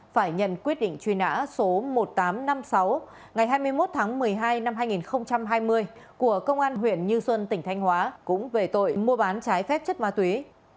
phải nhận quyết định truy nã số một nghìn tám trăm năm mươi sáu ngày hai mươi một tháng một mươi hai năm hai nghìn hai mươi của công an huyện như xuân tỉnh thanh hóa cũng về tội mua bán trái phép chất ma túy